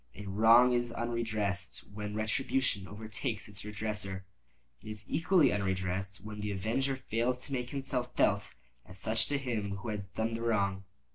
A wrong is unredressed when retribution overtakes its redresser. It is equally unredressed when the avenger fails to make himself felt as such to him who has done the wrong.